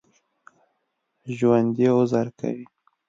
ژوندي عذر کوي